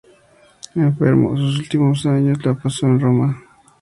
Enfermo, sus últimos años los pasó en Roma.